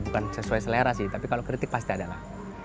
bukan sesuai selera sih tapi kalau kritik pasti adalah